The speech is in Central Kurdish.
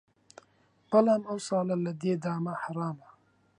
بەڵام ئەو ساڵ لە دێ دامە حەرامە